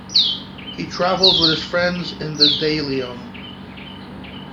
He travels with his friends in the Daileon.